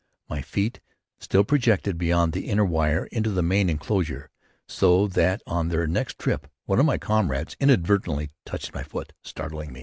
My feet still projected beyond the inner wire into the main enclosure so that on their next trip one of my comrades inadvertently touched my foot, startling me.